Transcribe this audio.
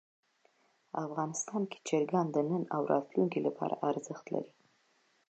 افغانستان کې چرګان د نن او راتلونکي لپاره ارزښت لري.